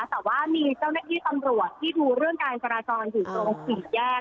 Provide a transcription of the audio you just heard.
แต่ว่ามีเจ้าหน้าที่ตำรวจที่ดูเรื่องการจราจรอยู่ตรงสี่แยก